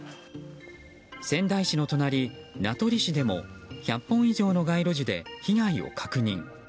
仙台市の隣、名取市でも１００本以上の街路樹で被害を確認。